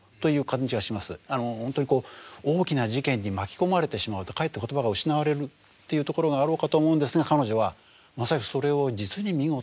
本当にこう大きな事件に巻き込まれてしまうとかえって言葉が失われるっていうところがあろうかと思うんですが彼女はまさにそれを実に見事に言葉にしている。